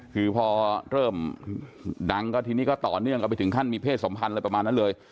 คือพอเริ่มดังก็ทีนี้ก็ต่อเนื่องกันไปถึงขั้นมีเพศสมพันธ์อะไรประมาณนั้นเลย